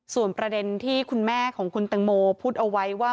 ส่วนประเด็นที่คุณแม่ของคุณตังโมพูดเอาไว้ว่า